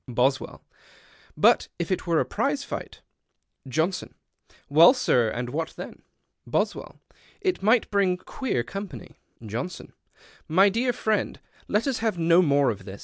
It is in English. " Boswell. —" But if it were a prize fight ?" Joiinsox. —" Well, sir, and what then ?"' Boswell. —" It might bring queer eompany.'' Johnson. —" My dear friend, let us have no more of this.